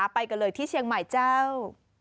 ไปกันเลยที่เชียงใหม่เจ้า